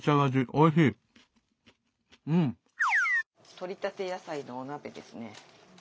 採りたて野菜のお鍋ですね。